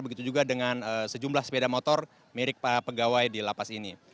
begitu juga dengan sejumlah sepeda motor mirip pegawai di lapas ini